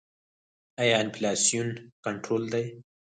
آیا انفلاسیون کنټرول دی؟